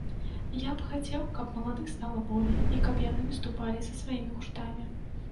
Я б хацеў, каб маладых стала болей, і каб яны выступілі са сваімі гуртамі.